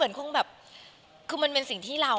ลูกชายคนเดียว